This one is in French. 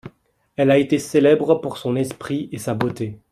Elle a été célèbre pour son esprit et sa beauté.